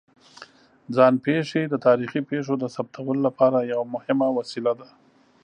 ځان پېښې د تاریخي پېښو د ثبتولو لپاره یوه مهمه وسیله ده.